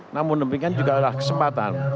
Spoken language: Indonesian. namun demikian juga adalah kesempatan